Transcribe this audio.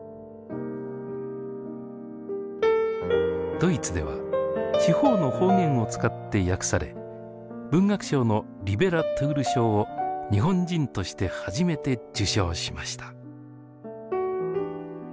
ドイツでは地方の方言を使って訳され文学賞のリベラトゥール賞を日本人として初めて受賞しました。